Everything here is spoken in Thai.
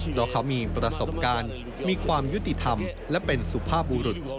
เพราะเขามีประสบการณ์มีความยุติธรรมและเป็นสุภาพบุรุษ